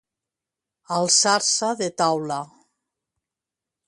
Alçar-se de taula.